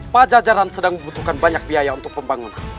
pajajaran sedang membutuhkan banyak biaya untuk pembangunan